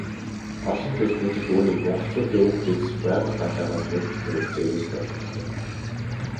Олонх эрдэмтэд үүнийг монголчуудын өвөг дээдэс Байгал далайгаас нүүдэллэн иржээ гэж тайлбарладаг.